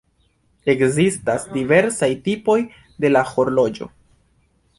Ekzistas diversaj tipoj de la horloĝo.